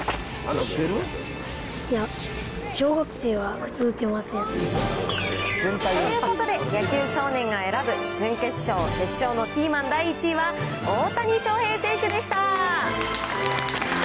いや、小学生は普通打てませということで野球少年が選ぶ準決勝、決勝のキーマン第１位は、大谷翔平選手でした。